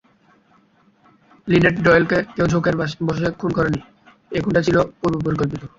Linate ডয়েলকে কেউ ঝোঁকের বশে খুন করেনি, এই খুনটা ছিল পূর্বপরিকল্পিত।